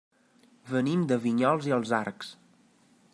Venim de Vinyols i els Arcs.